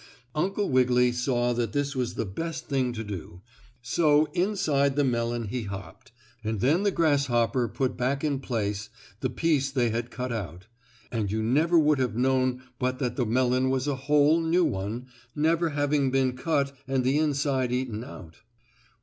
Uncle Wiggily saw that this was the best thing to do, so inside the melon he hopped, and then the grasshopper put back in place the piece they had cut out, and you never would have known but that the melon was a whole, new one, never having been cut and the inside eaten out.